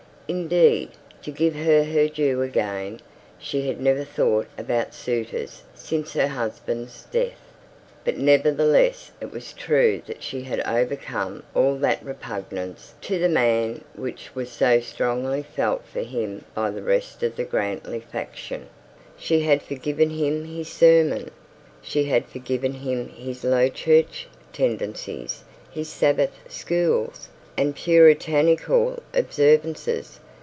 Indeed, to give her her due again, she had never thought about suitors since her husband's death. But nevertheless it was true that she had overcome all that repugnance to the man which was so strongly felt for him by the rest of the Grantly faction. She had forgiven him his sermon. She had forgiven him his low church tendencies, his Sabbath schools, and puritanical observances.